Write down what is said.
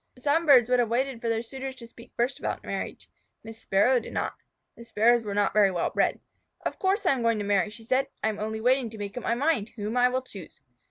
Some birds would have waited for their suitors to speak first about marriage. Miss Sparrow did not. The Sparrows are not very well bred. "Of course I am going to marry," she said. "I am only waiting to make up my mind whom I will choose."